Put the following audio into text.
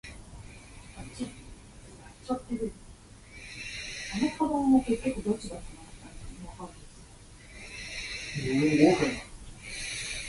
His disease was almost cured.